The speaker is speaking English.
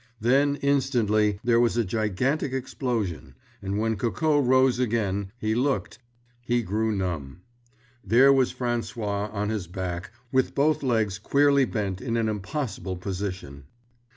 Then, instantly, there was a gigantic explosion; and when Coco rose again, he looked—he grew numb. There was François on his back—with both legs queerly bent in an impossible position.